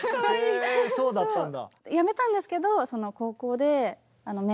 へえそうだったんだ。